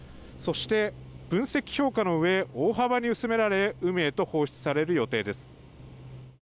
そして、分析評価のうえ大幅に薄められ海へと放出される予定です。